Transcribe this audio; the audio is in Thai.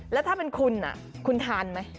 แล้วถ้าเป็นคุณคุณทานไหม